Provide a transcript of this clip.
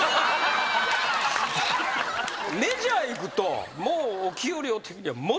メジャー行くともうお給料的にはもっとでしょ？